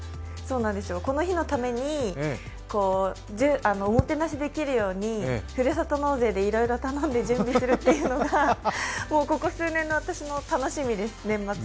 この日のためにおもてなしできるように、ふるさと納税でいろいろ頼んで準備するっていうのがここ数年の私の年末の楽しみです。